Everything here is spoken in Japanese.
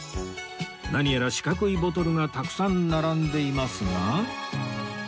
何やら四角いボトルがたくさん並んでいますが